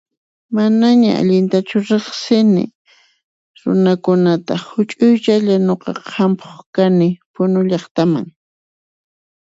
Manaña allintachu riqsini runakunata, huch'uychalla nuqaqa hampuq kani Punu llaqtaman.